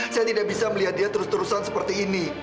saya tidak bisa melihat dia terus terusan seperti ini